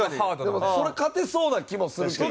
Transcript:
でもそれ勝てそうな気もするけどな。